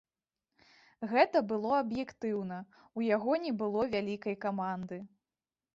Гэта было аб'ектыўна, у яго не было вялікай каманды.